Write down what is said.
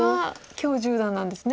許十段なんですね。